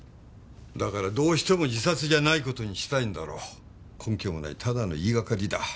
だからどうしても自殺じゃない事にしたいんだろう。根拠もないただの言いがかりだ。